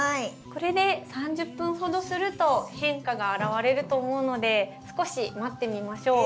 これで３０分ほどすると変化が表れると思うので少し待ってみましょう。